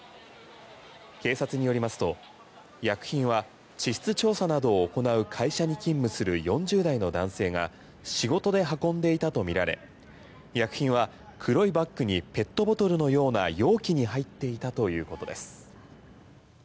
警察によりますと、薬品は地質調査などを行う会社に勤務する４０代の男性が仕事で運んでいたとみられ薬品は黒いバッグにペットボトルのような容器に入っていたということです。